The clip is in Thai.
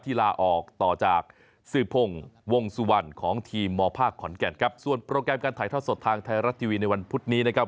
ลาออกต่อจากสื่อพงศ์วงสุวรรณของทีมมภาคขอนแก่นครับส่วนโปรแกรมการถ่ายทอดสดทางไทยรัฐทีวีในวันพุธนี้นะครับ